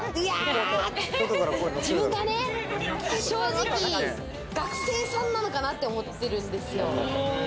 自分がね、正直、学生さんなのかなって思ってるんですよ。